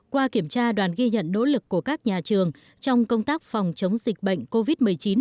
qua kiểm tra đoàn ghi nhận nỗ lực của các nhà trường trong công tác phòng chống dịch bệnh covid một mươi chín